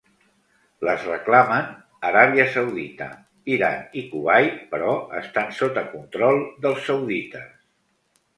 Les reclamen Aràbia Saudita, Iran i Kuwait, però estan sota control dels saudites.